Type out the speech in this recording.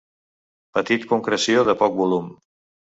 Petit concreció de poc volum.